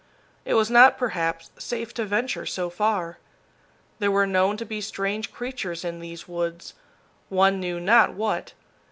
It was not, perhaps, safe to venture so far. There were known to be strange creatures in these woods, one knew not what.